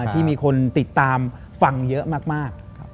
ที่มีคนติดตามฟังเยอะมาก